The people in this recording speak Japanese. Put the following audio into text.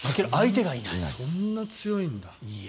そんな強いんだ。